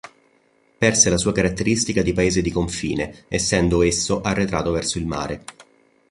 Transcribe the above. Perse la sua caratteristica di paese di confine essendo esso arretrato verso il mare.